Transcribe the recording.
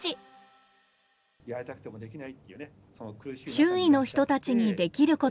周囲の人たちにできることがある。